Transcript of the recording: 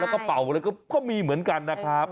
แล้วก็เป่าอะไรก็มีเหมือนกันนะครับ